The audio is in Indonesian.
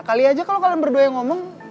kali aja kalau kalian berdua yang ngomong